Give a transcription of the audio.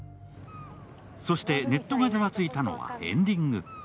そしてネットがざわついたのはエンディング。